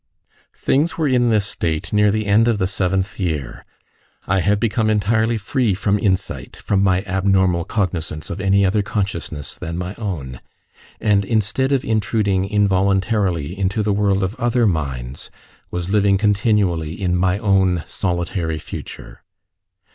Things were in this state near the end of the seventh year. I had become entirely free from insight, from my abnormal cognizance of any other consciousness than my own, and instead of intruding involuntarily into the world of other minds, was living continually in my own solitary future.